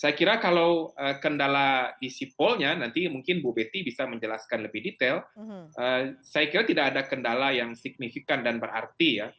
saya kira kalau kendala di sipolnya nanti mungkin bu betty bisa menjelaskan lebih detail saya kira tidak ada kendala yang signifikan dan berarti ya